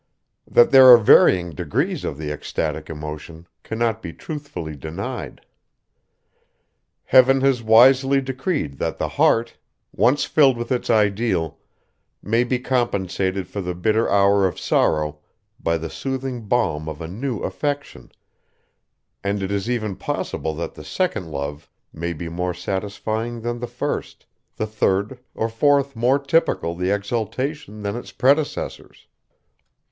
That there are varying degrees of the ecstatic emotion cannot be truthfully denied. Heaven has wisely decreed that the heart, once filled with its ideal, may be compensated for the bitter hour of sorrow by the soothing balm of a new affection, and it is even possible that the second love may be more satisfying than the first, the third or fourth more typical of exaltation than its predecessors.